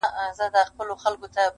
په قېمت د سر یې ختمه دا سودا سوه.